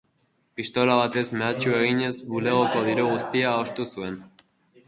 Pistola batez mehatxu eginez, bulegoko diru guztia ostu zuen.